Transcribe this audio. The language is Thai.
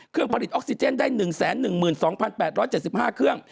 ผลิตออกซิเจนได้๑๑๒๘๗๕เครื่อง